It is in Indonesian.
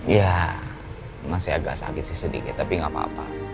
ya masih agak sakit sih sedikit tapi nggak apa apa